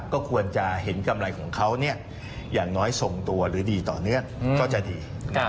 ก็ควรจะเห็นกำไรของเขาอย่างน้อยส่งตัวหรือดีต่อเนื่องก็จะดี